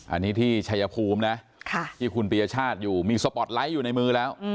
อันนี้ที่ชัยภูมินะที่คุณปียชาติอยู่มีสปอร์ตไลท์อยู่ในมือแล้ว